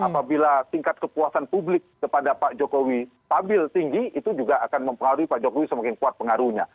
apabila tingkat kepuasan publik kepada pak jokowi stabil tinggi itu juga akan mempengaruhi pak jokowi semakin kuat pengaruhnya